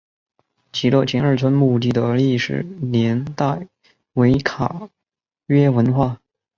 极乐前二村墓地的历史年代为卡约文化。